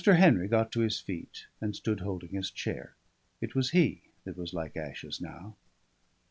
Henry got to his feet, and stood holding his chair. It was he that was like ashes now.